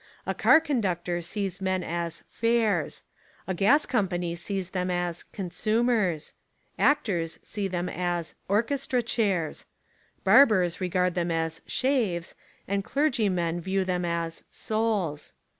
A car conductor sees men as "fares"; a gas company sees them as "consumers"; actors see them as "orchestra chairs"; barbers regard them as "shaves" and clergymen view them as "souls."